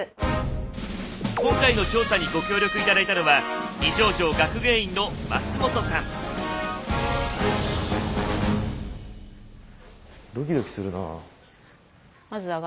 今回の調査にご協力頂いたのはドキドキするなあ。